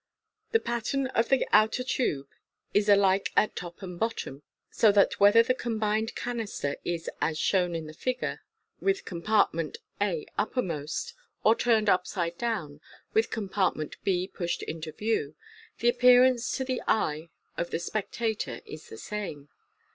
The pattern of the outer tube is alike B |l at top and bottom, so that whether the combined /\^ canister is as shown in the figure, with compart ment a uppermost, or turned upside down, with compartment b pushed into view, the appearance to the eye of the spectator is the same.